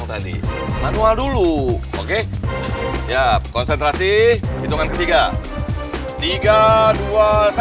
terus terus terus